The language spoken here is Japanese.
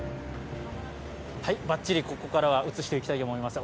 バッチリここからは写していきたいと思います。